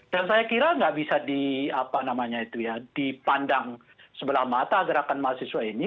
dan saya kira tidak bisa dipandang sebelah mata gerakan mahasiswa ini